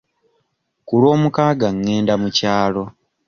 Ku lwomukaaga ngenda mu kyalo.